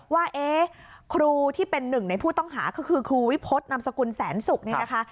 ว่าครูที่เป็นหนึ่งในผู้ต้องหาคือครูวิพฤตนำสกุลแสนศุกร์